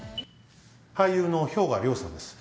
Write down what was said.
俳優の氷河涼さんです